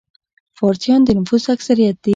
فارسیان د نفوس اکثریت دي.